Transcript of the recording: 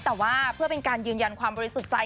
แต่ว่าเพื่อเป็นการยืนยันความบริสุทธิ์ใจ